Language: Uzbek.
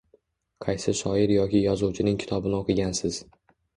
Qaysi shoir yoki yozuvchining kitobini o‘qigansiz